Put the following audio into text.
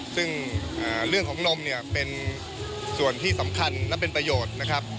ซึ่งเรื่องของลมเนี่ยเป็นส่วนที่สำคัญและเป็นประโยชน์นะครับ